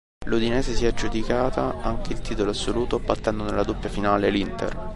L’Udinese si è aggiudicata anche il titolo assoluto battendo nella doppia finale l’Inter.